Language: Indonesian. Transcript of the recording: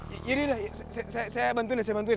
ya ya ya saya bantuin ya saya bantuin